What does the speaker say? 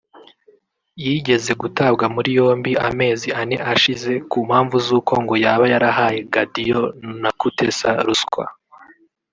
yigeze gutabwa muri yombi amezi ane ashize ku mpamvu z’uko ngo yaba yarahaye Gadio na Kutesa ruswa